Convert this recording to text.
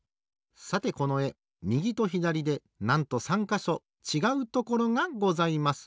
さてこのえみぎとひだりでなんと３かしょちがうところがございます。